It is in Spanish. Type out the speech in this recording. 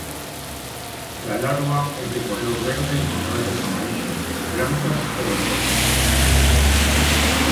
La larva es de color verde con rayas amarillas, blancas o verdosas.